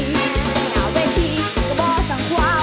แต่งะไว้ที่ลมบอกว่า